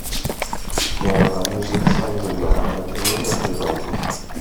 και όλα μου ζήτησαν δουλειά με την ίδια πληρωμή.